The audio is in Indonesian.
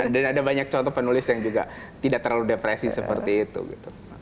dan ada banyak contoh penulis yang juga tidak terlalu depresi seperti itu